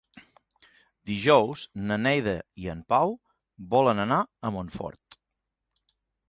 Dijous na Neida i en Pau volen anar a Montfort.